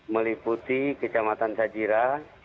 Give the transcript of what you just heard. meliputi kejamatan sajira